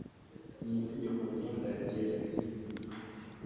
n Itegeko Ngenga ryerekeye imitwe